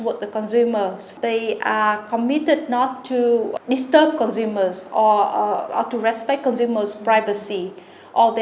và truyền thông báo về những lợi nhuận cho những sản phẩm đầy lãng phí